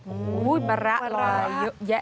โอ้โหมะระลอยเยอะแยะ